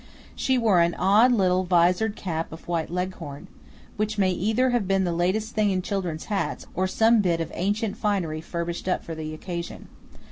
She wore an odd little vizored cap of white leghorn, which may either have been the latest thing in children's hats, or some bit of ancient finery furbished up for the occasion.